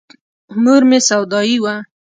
مور مې سودايي وه.